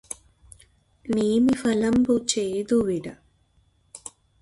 నేమిఫలంబు చేదువిడ